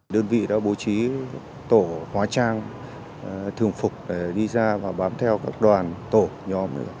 đơn vị đã bố trí tổ hóa trang thường phục để đi ra và bám theo các đoàn tổ nhóm